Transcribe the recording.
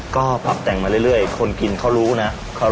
ก็ปรับแต่งมาเรื่อยคนกินเขารู้นะ